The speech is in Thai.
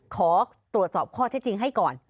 ขอตรวจสอบข้อเท็จจริงให้ก่อน